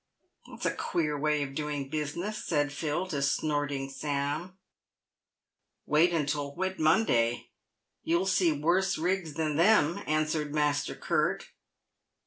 " That's a queer way of doing business," said Phil to Snorting Sam. " "Wait till Whit Monday, and you'll see worse rigs than them," answered Master Curt.